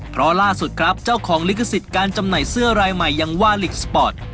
เพราะล่าสุดครับเจ้าของลิขสิทธิ์การจำหน่ายเสื้อรายใหม่ยังว่าลิกสปอร์ต